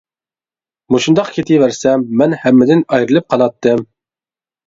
مۇشۇنداق كېتىۋەرسەم مەن ھەممىدىن ئايرىلىپ قالاتتىم.